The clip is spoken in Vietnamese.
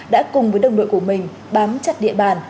đã cùng với đồng đội của mình bám chặt địa bàn